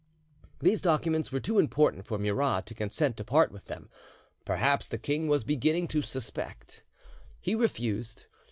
These documents were too important for Murat to consent to part with them; perhaps the king was beginning to suspect: he refused.